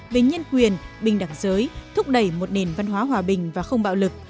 về nhân quyền bình đẳng giới thúc đẩy một nền văn hóa hòa bình và không bạo lực